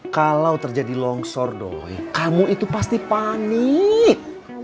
kalau terjadi longsor doi kamu itu pasti panik